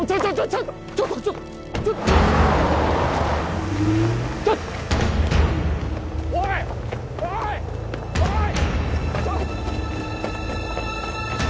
ちょっとちょっとちょっとちょっとちょっとおいおいおい！